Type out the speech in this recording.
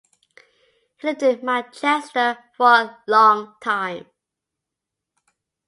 He lived in Manchester for a long time.